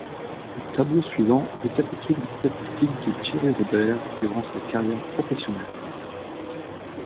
Le tableau suivant récapitule les statistiques de Thierry Robert durant sa carrière professionnelle.